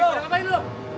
eh apaan lu